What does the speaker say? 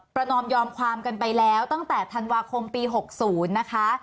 ประนอมยอมความกันไปแล้วตั้งแต่ธันวาคมปีหกศูนย์นะคะ